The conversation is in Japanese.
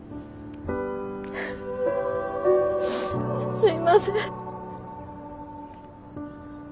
すいません。